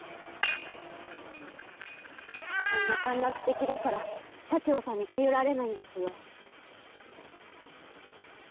そんな短絡的だから佐京さんに頼られないんですよ